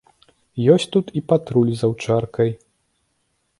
Ёсць тут і патруль з аўчаркай.